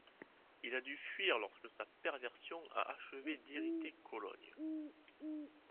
Il a dû fuir lorsque sa perversion a achevé d'irriter Cologne..